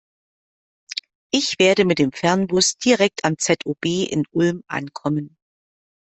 Ich werde mit dem Fernbus direkt am ZOB in Ulm ankommen.